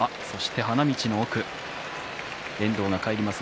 花道の奥、遠藤が帰ります。